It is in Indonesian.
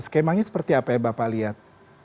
skemanya seperti apa ya bapak lihat